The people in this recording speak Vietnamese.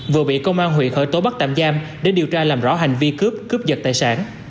vừa bị công an huyện khởi tố bắt tạm giam để điều tra làm rõ hành vi cướp cướp giật tài sản